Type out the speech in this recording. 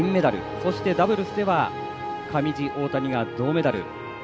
そして、ダブルスでは上地、大谷が銅メダル。